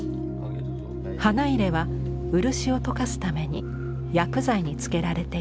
花入は漆を溶かすために薬剤につけられていた。